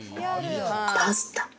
パスタ。